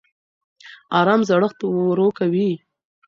ارام زړښت ورو کوي